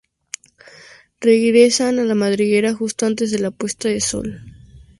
Regresan a la madriguera justo antes de la puesta del sol.